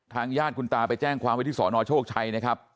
ญาติคุณตาไปแจ้งความไว้ที่สอนอโชคชัยนะครับ